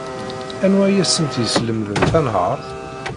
Anwa ay asent-yeslemden tanhaṛt?